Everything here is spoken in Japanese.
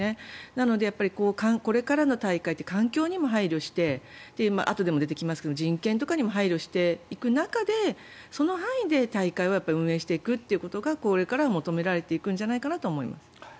なので、これからの大会って環境にも配慮してあとでも出てきますが人権とかにも配慮していく中でその範囲で大会を運営していくことがこれから求められていくんだと思います。